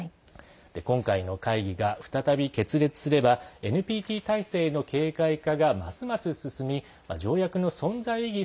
今回の会議が再び決裂すればＮＰＴ体制への形骸化がますます進み条約の存在意義